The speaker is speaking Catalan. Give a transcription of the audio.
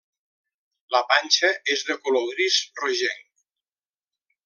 La panxa és de color gris rogenc.